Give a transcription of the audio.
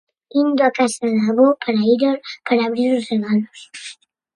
Indo a casa do avó para ir a, para abrir os regalos.